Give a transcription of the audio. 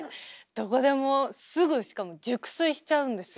どこでもすぐしかも熟睡しちゃうんですよ。